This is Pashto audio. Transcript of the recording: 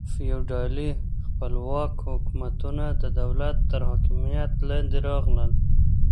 فیوډالي خپلواک حکومتونه د دولت تر حاکمیت لاندې راغلل.